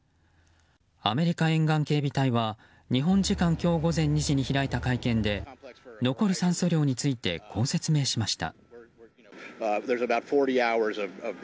アメリカ沿岸警備隊は日本時間今日午前２時に開いた会見で残る酸素量についてこう説明しました。